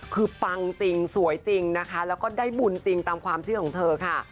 คือปังจริงสวยจริงนะคะแล้วก็ได้บุญจริงตามความเชื่อของเธอค่ะ